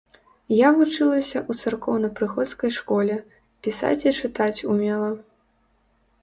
Я вучылася ў царкоўнапрыходскай школе, пісаць і чытаць умела.